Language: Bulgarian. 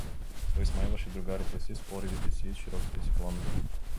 … Той смайваше другарите си с поривите си и с широките си планове.